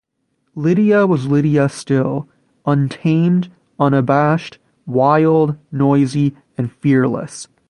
Lydia was Lydia still; untamed, unabashed, wild, noisy, and fearless.